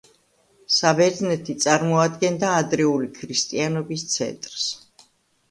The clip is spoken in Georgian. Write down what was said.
საბერძნეთი წარმოადგენდა ადრეული ქრისტიანობის ცენტრს.